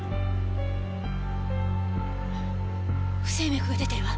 不整脈が出てるわ！